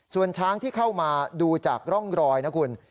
ส่วนช้างที่เข้ามาดูจากร่องรอยนะคุณ